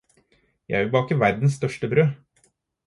Jeg vil bake verdens største brød